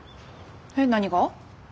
えっ何が？